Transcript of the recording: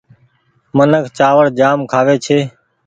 منک چآوڙ جآم کآوي ڇي ۔